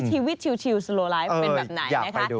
ชีวิตชิวสโลไลฟ์เป็นแบบไหนนะคะ